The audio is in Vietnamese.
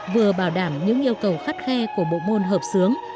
vừa bảo đảm những yêu cầu khắt khe của bộ môn hợp sướng